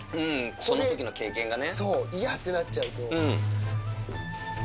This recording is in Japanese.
そのときの経験がね。